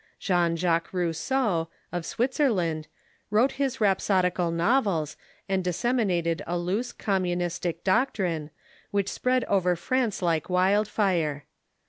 Jean Jacques Rousseau, of Switzerland, Avrote his rhapsodical novels, and disseminated a loose communistic doc trine, which spread over France like wildfire.